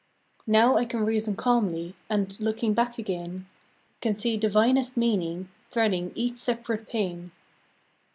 Now I can reason calmly, And, looking back again, Can see divinest meaning Threading each separate pain.